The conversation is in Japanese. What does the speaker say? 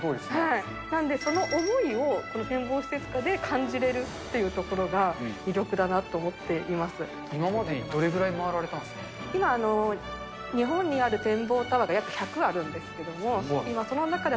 なんで、その思いをこの展望施設下で感じれるというところが魅力だなと思今までにどれぐらい回られた今、日本にある展望タワーが約１００あるんですけれど、今その中で８９。